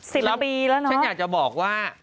๑๐ปีแล้วเนอะฉันอยากจะบอกว่า